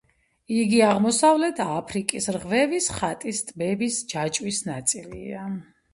იგი აღმოსავლეთ აფრიკის რღვევის ხაზის ტბების ჯაჭვის ნაწილია.